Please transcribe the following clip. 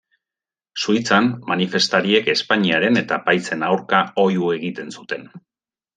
Suitzan, manifestariek Espainiaren eta apaizen aurka oihu egiten zuten.